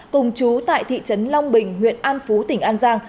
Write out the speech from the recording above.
cùng chú tại thị trấn long bình huyện an phú tỉnh an giang